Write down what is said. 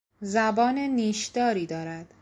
زبان نیشداری دارد.